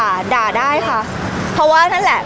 พี่ตอบได้แค่นี้จริงค่ะ